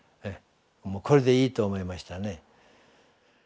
もうこれでいいと思いましたね。